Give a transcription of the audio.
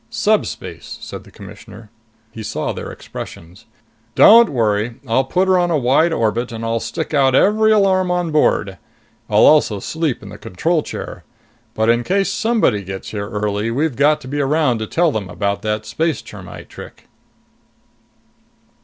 "Subspace," said the Commissioner. He saw their expressions. "Don't worry! I'll put her on a wide orbit and I'll stick out every alarm on board. I'll also sleep in the control chair. But in case somebody gets here early, we've got to be around to tell them about that space termite trick."